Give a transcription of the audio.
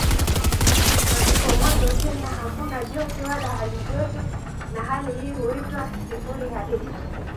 Pasipo mwendo tena hakuna joto wala halijoto na hali hii huitwa "sifuri halisi".